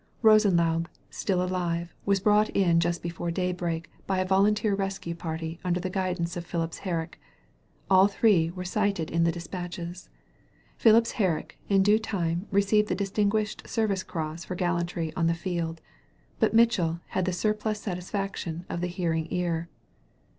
Rosenlaube» still alive, was brought in just be fore daybreak by a volunteer rescue party under the guidance of Phipps Herrick. All three were cited in the despatches. Phipps Herrick in due time received the Distinguished Service Cross for gallantry on the field. But Mitchell had the sur plus satisfaction of the hearing ear.